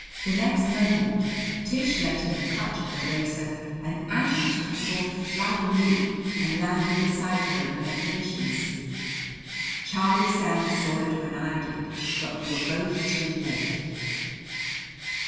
The next moment Tish let in the clutch of the racer and Aggie took a sort of flying leap and landed beside her in the mechanician's seat. Charlie Sands saw it when I did, but we were both too late.